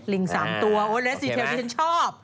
ลิง๓ตัวรีโซเทลที่ฉันชอบ